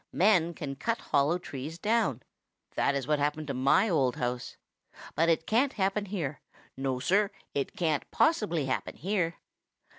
Men can cut hollow trees down. That is what happened to my old house. But it can't happen here. No, Sir, it can't possibly happen here.